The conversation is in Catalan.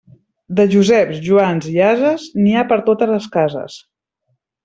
De Joseps, Joans i ases, n'hi ha per totes les cases.